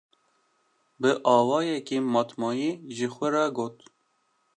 Bi awayekî matmayî ji xwe re got: